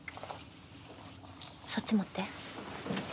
そっち持って。